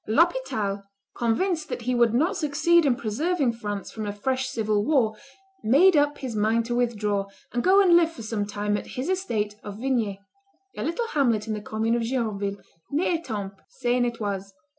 L'Hospital, convinced that he would not succeed in preserving France from a fresh civil war, made up his mind to withdraw, and go and live for some time at his estate of Vignay [a little hamlet in the commune of Gironville, near Etampes, Seine et Oise].